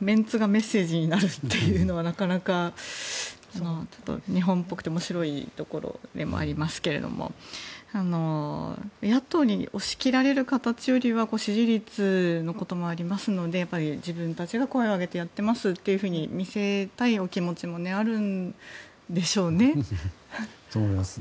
メンツがメッセージになるというのはなかなか日本ぽくて面白いところもありますけど野党に押し切られる形よりは支持率のこともありますので自分たちが声を上げてやっていますというふうに見せたい気持ちもあるんでしょうね。と思います。